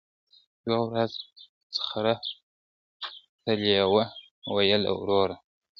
یوه ورځ خره ته لېوه ویله وروره `